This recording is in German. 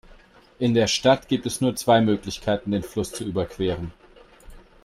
In der Stadt gibt es nur zwei Möglichkeiten, den Fluss zu überqueren.